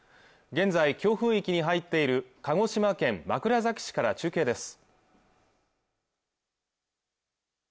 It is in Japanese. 現在強風域に入っている鹿児島県枕崎市から中継です